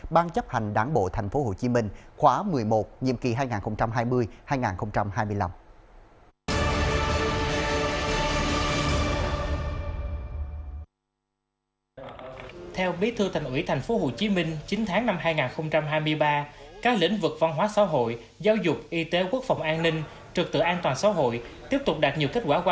ban chấp hành đáng bộ thành phố hồ chí minh